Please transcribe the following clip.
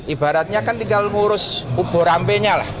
ibaratnya kan tinggal mengurus uborambenya lah